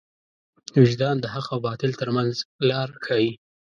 وجدان د حق او باطل تر منځ لار ښيي.